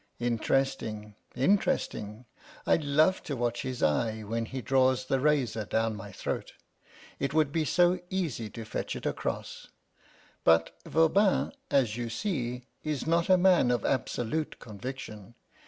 Interesting interesting! I love to watch his eye when he draws the razor down my throat. It would be so easy to fetch it across; but Voban, as you see, is not a man of absolute conviction.